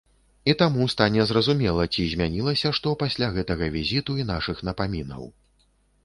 І таму стане зразумела, ці змянілася што пасля гэтага візіту і нашых напамінаў.